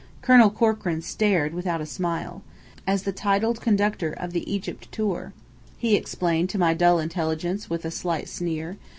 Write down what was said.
Colonel Corkran stared, without a smile. "As the titled conductor of the Egypt tour," he explained to my dull intelligence, with a slight sneer.